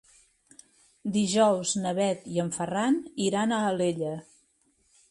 Dijous na Bet i en Ferran iran a Alella.